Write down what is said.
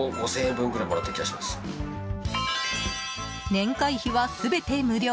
年会費は全て無料。